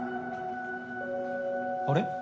・あれ？